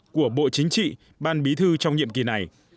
của bộ chính trị ban bí thư trong nhiệm kỳ này